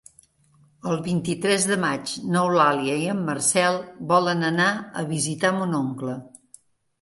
El vint-i-tres de maig n'Eulàlia i en Marcel volen anar a visitar mon oncle.